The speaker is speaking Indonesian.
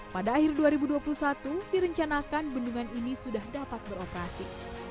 pada akhir dua ribu dua puluh satu direncanakan bendungan ini sudah dapat beroperasi